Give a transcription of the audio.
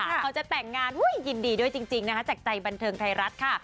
เขาจะแต่งงานยินดีด้วยจริงนะคะจากใจบันเทิงไทยรัฐค่ะ